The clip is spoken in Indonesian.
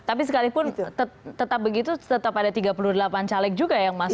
tapi sekalipun tetap begitu tetap ada tiga puluh delapan caleg juga yang masuk